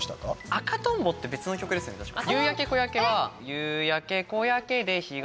「赤とんぼ」って別の曲ですよね、確か。